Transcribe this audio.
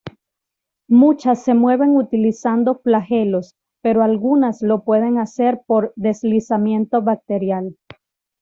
Muchas se mueven utilizando flagelos, pero algunas lo pueden hacer por deslizamiento bacterial.